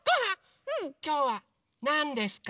きょうはなんですか？